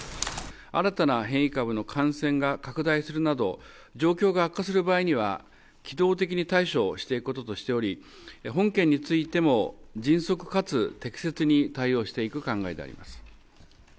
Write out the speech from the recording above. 新たな変異株の感染が拡大するなど、状況が悪化する場合には、機動的に対処していくこととしており、本件についても迅速かつ適切に対応していく考えであります。